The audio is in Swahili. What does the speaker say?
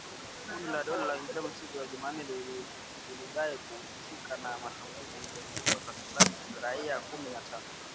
Kundi la dola ya kiislamu siku ya Jumanne lilidai kuhusika na shambulizi lililoua takribani raia kumi na tano